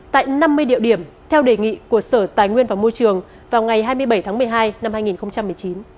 tại năm mươi địa điểm theo đề nghị của sở tài nguyên và môi trường vào ngày hai mươi bảy tháng một mươi hai năm hai nghìn một mươi chín